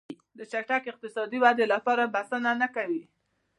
د چټکې اقتصادي ودې لپاره بسنه نه کوي.